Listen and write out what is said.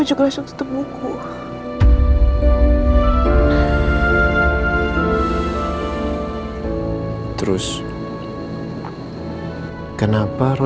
jangan gigit di sulawesi